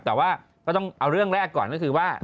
แต่ว่าก็ต้องเอาเรื่องแรกก่อนก็คือว่า